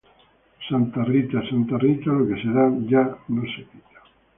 Santa Rita, Santa Rita, lo que se da ya no se quita.